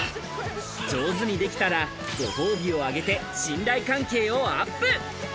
上手にできたら、ご褒美をあげて信頼関係をアップ。